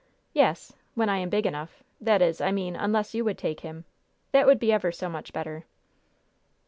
"Yes, when I am big enough that is, I mean, unless you would take him. That would be ever so much better."